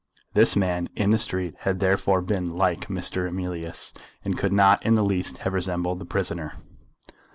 This man in the street had therefore been like Mr. Emilius, and could not in the least have resembled the prisoner.